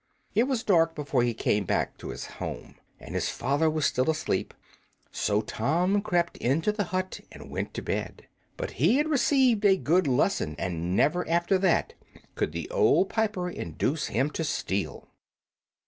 It was dark before he came back to his home, and his father was still asleep; so Tom crept into the hut and went to bed. But he had received a good lesson, and never after that could the old piper induce him to steal.